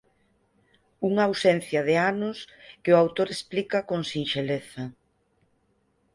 Unha ausencia de anos que o autor explica con sinxeleza: